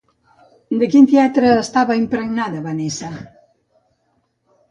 De quin teatre està impregnada Vanessa?